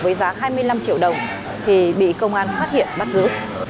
với giá hai mươi năm triệu đồng thì bị công an phát hiện bắt giữ